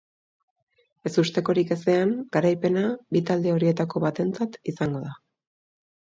Ezustekorik ezean, garaipena bi talde horietako batentzat izango da.